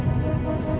apaan sih ini